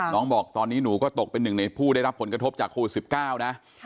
น้องบอกตอนนี้หนูก็ตกเป็นหนึ่งในผู้ได้รับผลกระทบจากโควิด๑๙นะ